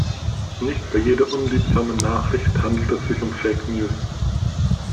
Nicht bei jeder unliebsamen Nachricht handelt es sich um Fake-News.